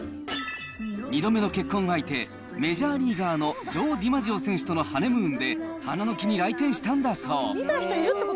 ２度目の結婚相手、メジャーリーガーのジョー・ディマジオ選手とのハネムーンで、花の木に来店したんだそう。